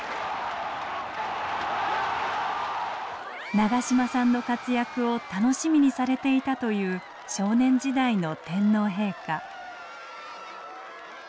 長嶋さんの活躍を楽しみにされていたという少年時代の天皇陛下。